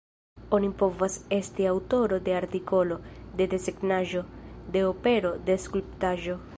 Oni povas esti aŭtoro de artikolo, de desegnaĵo, de opero, de skulptaĵo.